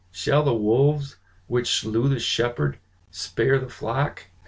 Shall the wolves which slew the Shepherd spare the flock?"